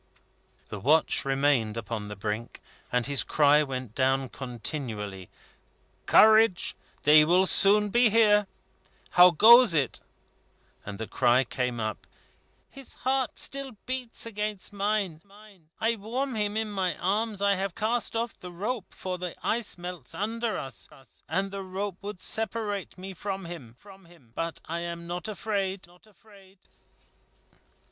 The watch remained upon the brink, and his cry went down continually: "Courage! They will soon be here. How goes it?" And the cry came up: "His heart still beats against mine. I warm him in my arms. I have cast off the rope, for the ice melts under us, and the rope would separate me from him; but I am not afraid."